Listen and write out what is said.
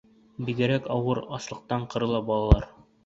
Бигерәк ауыр, аслыҡтан ҡырыла балалар.